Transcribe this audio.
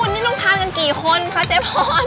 นี่ลงทานกันกี่คนคะชายพร